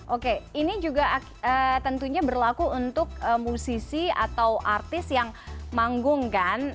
oke ini juga tentunya berlaku untuk musisi atau artis yang manggung kan